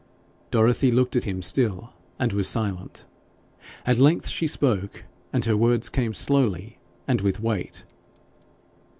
Dorothy looked at him still, and was silent. At length she spoke, and her words came slowly and with weight.